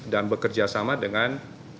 dan bekerja sama dengan